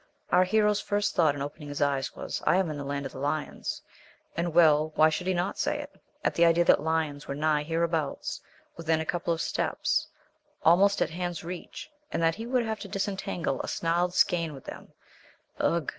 Our hero's first thought on opening his eyes was, "I am in the land of the lions!" And well, why should we not say it? at the idea that lions were nigh hereabouts, within a couple of steps, almost at hand's reach, and that he would have to disentangle a snarled skein with them, ugh!